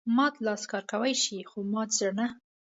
مات لاس کار کولای شي خو مات زړه نه.